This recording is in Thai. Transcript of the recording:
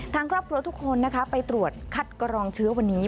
ทางครอบครัวทุกคนนะคะไปตรวจคัดกรองเชื้อวันนี้